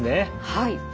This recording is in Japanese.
はい。